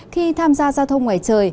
khi tham gia gia thông ngoài trời